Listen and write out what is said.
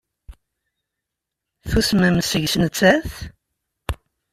Tusmem seg-s nettat?